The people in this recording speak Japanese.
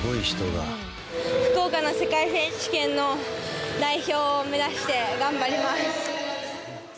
福岡の世界選手権の代表を目指して頑張ります。